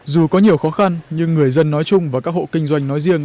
dù có nhiều khó khăn nhưng người dân nói chung và các hộ kinh doanh nói riêng